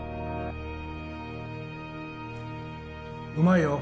うまいよ。